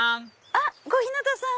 あっ小日向さん。